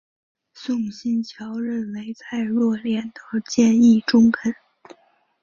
宋欣桥认为蔡若莲的建议中肯。